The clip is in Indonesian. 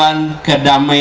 dan orang yang di sini